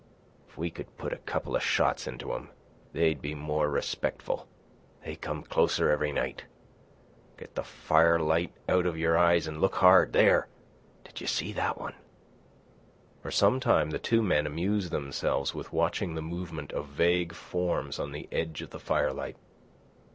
"If we could put a couple of shots into 'em, they'd be more respectful. They come closer every night. Get the firelight out of your eyes an' look hard—there! Did you see that one?" For some time the two men amused themselves with watching the movement of vague forms on the edge of the firelight.